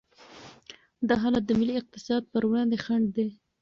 دا حالت د ملي اقتصاد پر وړاندې خنډ دی.